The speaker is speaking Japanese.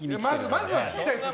まずは聞きたいです